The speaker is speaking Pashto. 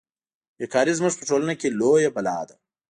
بې کاري زموږ په ټولنه کې لویه بلا ده